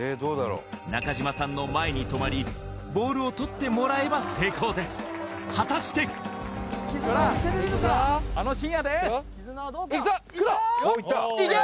中島さんの前に止まりボールを取ってもらえば成功です果たしていくぞあのシーンやでいくぞクロいけ！